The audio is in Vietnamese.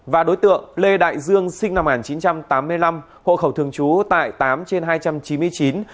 và đối tượng lê đại dương sinh năm một nghìn chín trăm tám mươi năm hộ khẩu thường trú tại tám trên hai trăm chín mươi chín